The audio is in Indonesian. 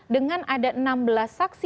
dengan ada enam belas saksi